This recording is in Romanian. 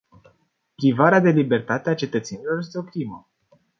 Privarea de libertate a cetățenilor este o crimă.